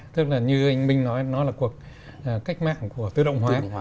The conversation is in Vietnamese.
tức là như anh minh nói nó là cuộc cách mạng của tự động hóa